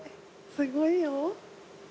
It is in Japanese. すごいよ。